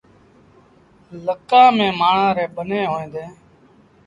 لڪآن ميݩ مآڻهآن ريٚݩ ٻنيٚن هوئيݩ ديٚݩ۔